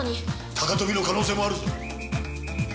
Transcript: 高飛びの可能性もあるぞ。